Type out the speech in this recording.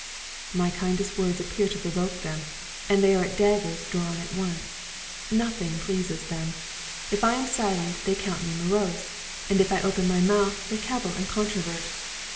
^^ My kindest words appear to provoke them, and they are at daggers drawn at once. Nothing pleases them ; if I nm silent they count me morose, and if T open my mouth they cavil and controvert.